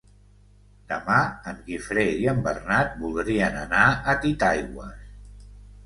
Demà en Guifré i en Bernat voldrien anar a Titaigües.